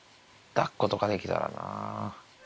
だっことかできたらな。